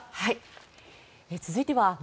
続いては。